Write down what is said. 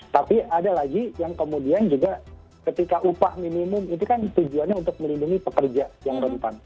tapi ada lagi yang kemudian juga ketika upah minimum itu kan tujuannya untuk melindungi pekerja yang rentan